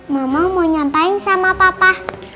mama mau nyampai sama papa